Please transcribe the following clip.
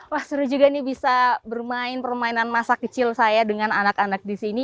wah seru juga nih bisa bermain permainan masa kecil saya dengan anak anak di sini